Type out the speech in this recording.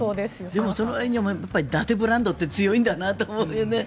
でもそのわりにはだてブランドって強いよなと思うよね。